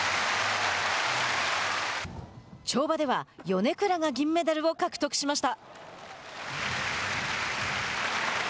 跳馬では米倉が銀メダルを獲得しました。